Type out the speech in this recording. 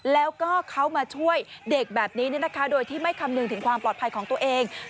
แล้วก็เขามาช่วยเด็กแบบนี้โดยที่ไม่คำนึงถึงความปลอดภัยของตัวเอง